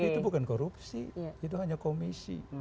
itu bukan korupsi itu hanya komisi